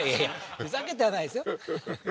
ふざけてはないですよ